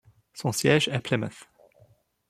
Son siège est Plymouth.